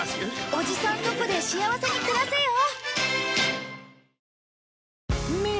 おじさんとこで幸せに暮らせよ。